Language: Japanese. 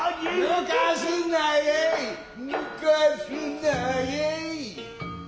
ぬかすなやいぬかすなやい。